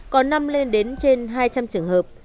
có năm lên đến trên hai trăm linh trường hợp